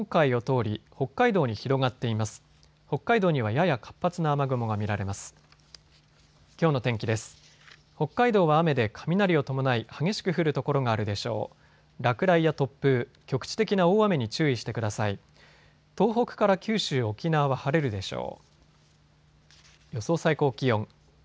東北から九州、沖縄は晴れるでしょう。